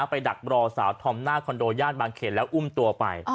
ดักรอสาวธอมหน้าคอนโดย่านบางเขตแล้วอุ้มตัวไป